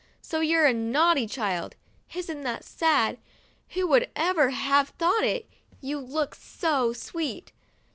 "So you're a naughty child. Isn't that sad! Who would ever have thought it ; you look so sweet